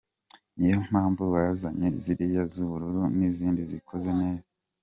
Ni yo mpamvu bazanye ziriya z’ubururu n’izindi zikoze neza, .